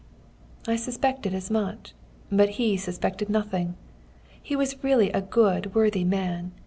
"I suspected as much. But he suspected nothing. He was really a good, worthy man.